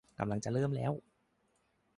กำลังจะเริ่มแล้ว